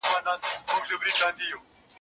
د لرګیو یې پر وکړله وارونه